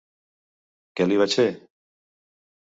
Què li vaig fer?